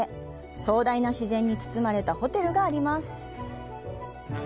壮大な自然に包まれたホテルがあります。